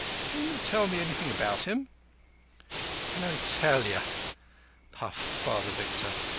Can you tell me anything about him?" "Can I tell you?" puffed Father Victor.